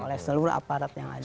oleh seluruh aparat yang ada